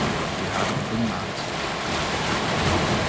Wir haben den Binnenmarkt.